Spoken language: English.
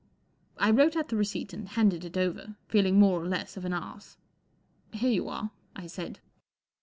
I wrote out the receipt and handed it over, feeling more or less of an ass. 4 Here you are," I said.